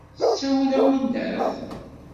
S ttawil a winnat!